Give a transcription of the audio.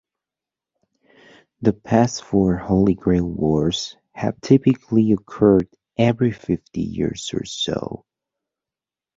The past four Holy Grail Wars have typically occurred every fifty years or so.